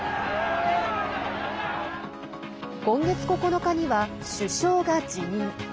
今月９日には首相が辞任。